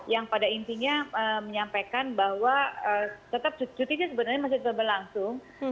yang pada intinya menyampaikan bahwa tetap cutinya sebenarnya masih tetap berlangsung